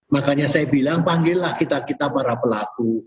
makanya saya bilang panggillah kita kita para pelaku